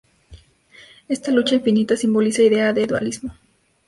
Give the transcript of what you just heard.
Esta lucha infinita simboliza idea de dualismo.